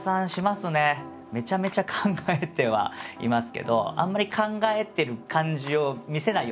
めちゃめちゃ考えてはいますけどあんまり考えてる感じを見せないようにしてます。